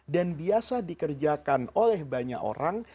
dan biasa dikerjakan oleh banyak orang